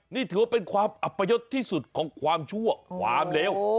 นี่ถือว่าเป็นความอัปยศที่สุดของความชั่วความเลว